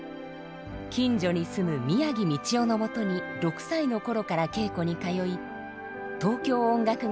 近所に住む宮城道雄のもとに６歳の頃から稽古に通い東京音楽